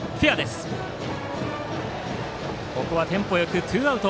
ここはテンポよくツーアウト。